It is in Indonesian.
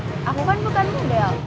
ih aku kan bukan model